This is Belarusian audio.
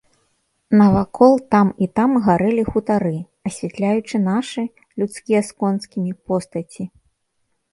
Навакол там і там гарэлі хутары, асвятляючы нашы, людскія з конскімі, постаці.